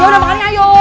ya udah makannya ayo